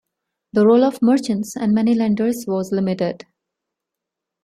The role of merchants and money-lenders was limited.